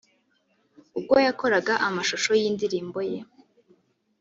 ubwo yakoraga amashusho y’indirimbo ye